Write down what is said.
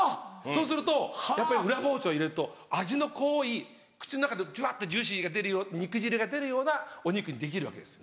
そうするとやっぱり裏包丁入れると味の濃い口の中でジュワってジューシー肉汁が出るようなお肉にできるわけです。